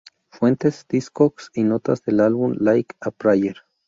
Fuentes: Discogs y notas del álbum "Like a Prayer".